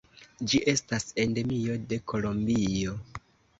Ĝi estas endemio de Kolombio.